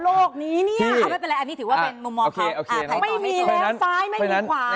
โรคนี้นะปัจจุวราคาอะมีแหละ